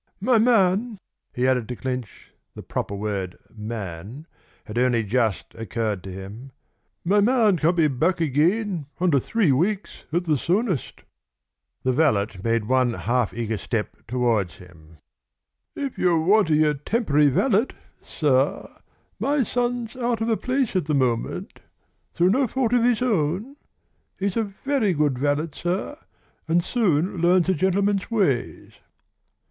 "My man," he added to clinch the proper word "man" had only just occurred to him "my man can't be back again under three weeks at the soonest." The valet made one half eager step towards him. "If you're wanting a temporary valet, sir, my son's out of a place for the moment through no fault of his own. He's a very good valet, sir, and soon learns a gentleman's ways."